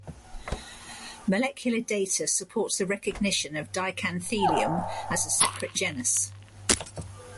Molecular data supports the recognition of "Dichanthelium" as a separate genus.